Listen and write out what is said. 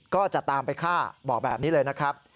ก็จะตามไปฆ่าบอกแบบนี้เลยนะครับ